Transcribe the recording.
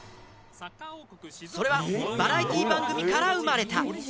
それはバラエティー番組から生まれた。